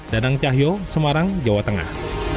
danang cahyo semarang jawa tengah